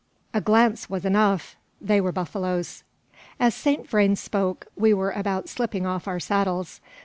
A glance was enough: they were buffaloes. As Saint Vrain spoke, we were about slipping off our saddles.